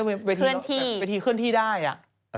เวทีเคลื่อนที่ได้อ่ะ